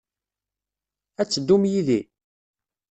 Ad teddum yid-i?